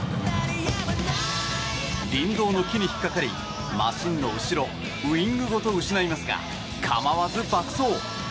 林道の木に引っ掛かりマシンの後ろウィングごと失いますが構わず爆走！